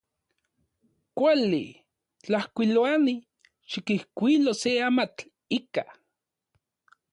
Kuali. Tlajkuiloani, xikijkuilo se amatl ika.